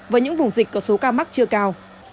với những vùng dịch có số ca mắc chưa cao